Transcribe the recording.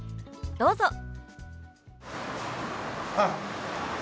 どうぞ。